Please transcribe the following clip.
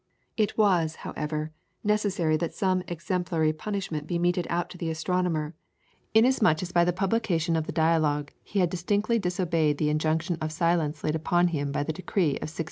It was, however, necessary that some exemplary punishment be meted out to the astronomer, inasmuch as by the publication of the Dialogue he had distinctly disobeyed the injunction of silence laid upon him by the decree of 1616.